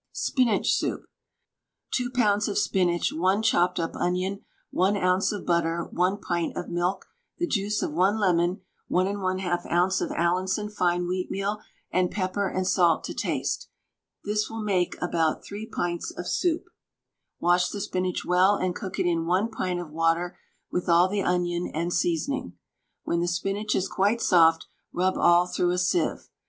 SPINACH SOUP. 2 lbs. of spinach, 1 chopped up onion, 1 oz. of butter, 1 pint of milk, the juice of 1 lemon, 1 1/2 oz. of Allinson fine wheatmeal, and pepper and salt to taste. This will make about 3 pints of soup. Wash the spinach well, and cook it in 1 pint of water with the onion and seasoning. When the spinach is quite soft, rub all through a sieve.